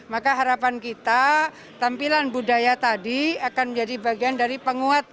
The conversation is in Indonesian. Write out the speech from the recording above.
maka harapan kita tampilan budaya tadi akan menjadi bagian dari penguat